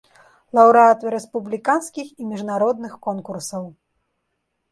Лаўрэат рэспубліканскіх і міжнародных конкурсаў.